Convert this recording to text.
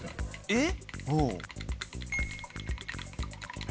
えっ？